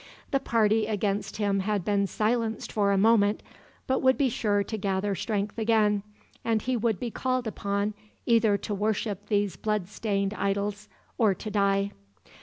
The party against him had been silenced for a moment, but would be sure to gather strength again; and he would be called upon either to worship these bloodstained idols, or to die.